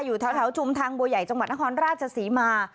อยู่แถวชุมทางบัวใหญ่จังหวัดนครราชศรีมา